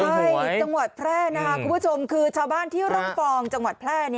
รวมห่วยจังหวัดแพร่คุณผู้ชมคือชาวบ้านที่รั่งฟองจังหวัดแพร่